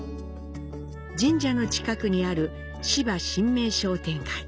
神社の近くにある芝神明商店街。